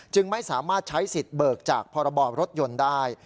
ไม่สามารถใช้สิทธิ์เบิกจากพรบรถยนต์ได้